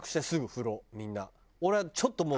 俺はちょっともう。